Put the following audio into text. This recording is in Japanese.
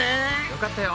よかったよ！